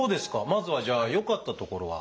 まずはじゃあよかったところは？